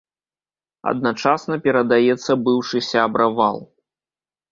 Адначасна перадаецца быўшы сябра вал.